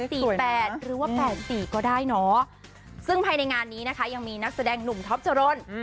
หรือว่าแปดสี่ก็ได้เนอะซึ่งภายในงานนี้นะคะยังมีนักแสดงหนุ่มท็อปจรน